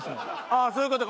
ああそういう事か。